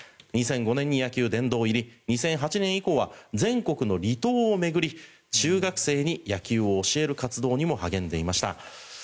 ２００５年に野球殿堂入り２００８年以降は全国の離島を巡り中学生に野球を教える活動にも励んでいました。